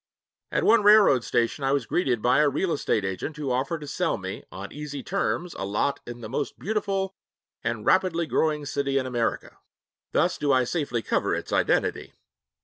At one railroad station I was greeted by a real estate agent who offered to sell me 'on easy terms a lot in the most beautiful and rapidly growing city in America.' (Thus do I safely cover its identity.)